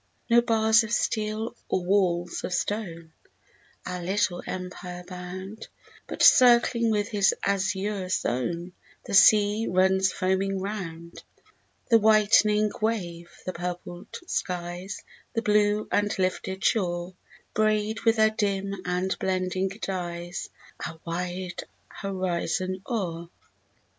No bars of steel or walls of stone Our little empire bound, But, circling with his azure zone, The sea runs foaming round; The whitening wave, the purpled skies, The blue and lifted shore, Braid with their dim and blending dyes Our wide horizon o'er.